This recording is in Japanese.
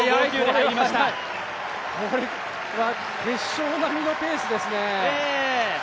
速い、決勝並みのペースですね。